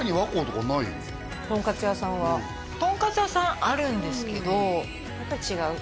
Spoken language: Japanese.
とんかつ屋さんはとんかつ屋さんあるんですけどやっぱり違う？